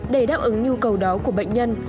để đáp ứng nhu cầu đó của bệnh nhân